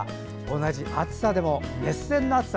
同じ暑さでも、熱戦の熱さ